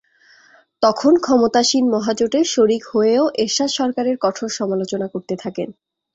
তখন ক্ষমতাসীন মহাজোটের শরিক হয়েও এরশাদ সরকারের কঠোর সমালোচনা করতে থাকেন।